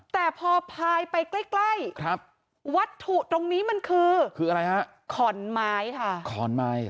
แต่พอพายไปใกล้วัตถุตรงนี้มันคือขอนไม้ค่ะ